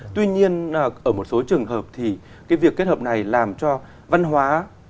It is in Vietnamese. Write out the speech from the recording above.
tuy nhiên ở một số trường hợp thì cái việc kết hợp này làm cho văn hóa